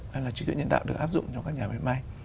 hay là trí tuệ nhân tạo được áp dụng trong các nhà máy may